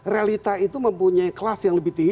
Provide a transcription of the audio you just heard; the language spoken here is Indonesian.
realita itu mempunyai kelas yang lebih tinggi